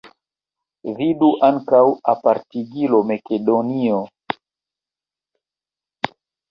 Vidu ankaŭ apartigilon Makedonio.